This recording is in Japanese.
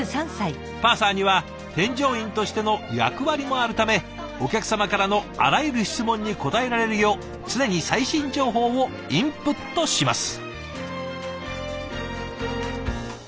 パーサーには添乗員としての役割もあるためお客様からのあらゆる質問に答えられるよう常に最新情報をインプットします。